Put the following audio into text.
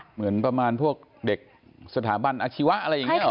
เหมือนประมาณพวกเด็กสถาบันอาชีวะอะไรอย่างนี้หรอ